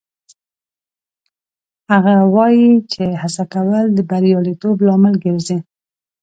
هغه وایي چې هڅه کول د بریالیتوب لامل ګرځي